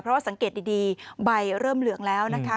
เพราะว่าสังเกตดีใบเริ่มเหลืองแล้วนะคะ